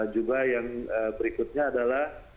juga yang berikutnya adalah